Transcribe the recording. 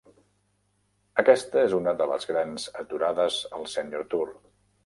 Aquesta és una de les grans aturades al Senior Tour.